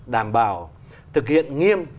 đảm bảo thực hiện nghiêm